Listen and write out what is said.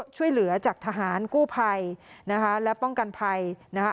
ช่วยเหลือจากทหารกู้ภัยนะคะและป้องกันภัยนะคะ